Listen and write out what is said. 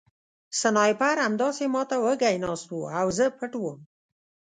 سنایپر همداسې ما ته وږی ناست و او زه پټ وم